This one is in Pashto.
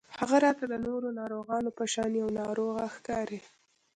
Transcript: هغه راته د نورو ناروغانو په شان يوه ناروغه ښکاري